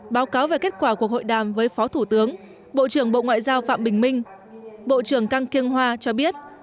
báo cáo về kết quả cuộc hội đàm với phó thủ tướng bộ trưởng bộ ngoại giao phạm bình minh bộ trưởng cang kyng hoa cho biết